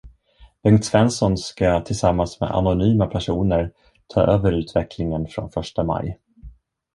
Bengt Svensson skall tillsammans med anonyma personer ta över utvecklingen från första maj.